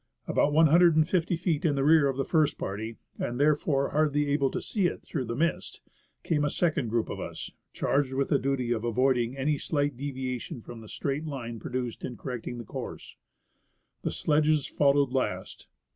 About 150 feet in the rear of the first party, and therefore hardly able to see it through the mist, came a second group of us, charged with the duty of avoiding any slight deviation from the straight line produced in correcting the course. The sledges followed last.